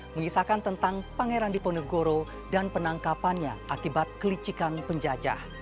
mengisahkan tentang pangeran diponegoro dan penangkapannya akibat kelicikan penjajah